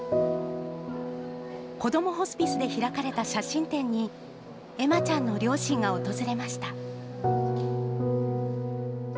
こどもホスピスで開かれた写真展に、恵麻ちゃんの両親が訪れました。